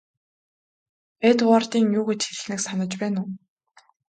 Эдвардын юу гэж хэлснийг санаж байна уу?